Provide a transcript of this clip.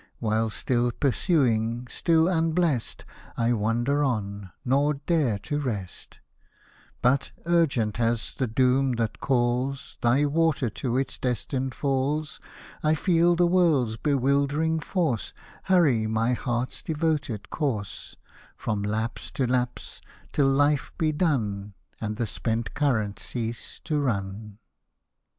While still pursuing, still unblest, I wander on, nor dare to rest ; But, urgent as the doom that calls Thy water to its destined falls, I feel the world's bewildering force Hurry my heart's devoted course From lapse to lapse, till life be done. And the spent current cease to run.